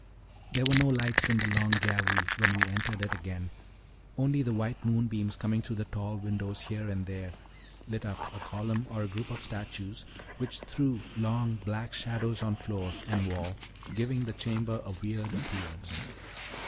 There were no lights in the long gallery when we entered it again, only the white moonbeams coming through the tall windows here and there lit up a column or a group of statues, which threw long, black shadows on floor and Wall, giving the chamber a weird appearance.